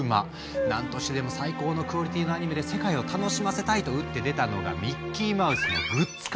なんとしてでも最高のクオリティーのアニメで世界を楽しませたいと打って出たのがミッキーマウスのグッズ化だった。